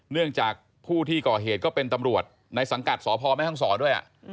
เนื่องจากผู้ที่ก่อเหตุก็เป็นตำรวจในสังกัดสพแม่ห้องศรด้วย